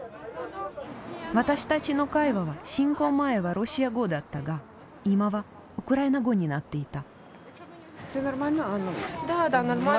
私たちの会話は侵攻前はロシア語だったが今はウクライナ語になっていた。